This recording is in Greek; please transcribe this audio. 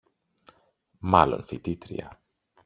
Μάλλον φοιτήτρια